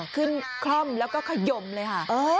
คล่อมแล้วก็ขยมเลยค่ะ